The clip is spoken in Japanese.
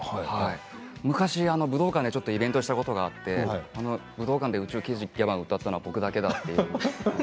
昔、武道館でちょっとイベントをしたことがあって武道館で「宇宙刑事ギャバン」を歌ったのは僕だけだって。